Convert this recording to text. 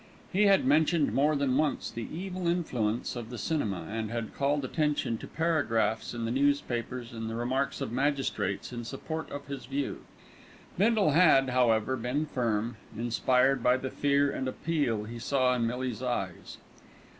He had mentioned more than once the evil influence of the cinema, and had called attention to paragraphs in the newspapers and the remarks of magistrates in support of his view. Bindle had, however, been firm, inspired by the fear and appeal he saw in Millie's eyes.